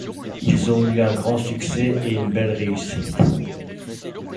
Ils ont eu un grand succès et une belle réussite.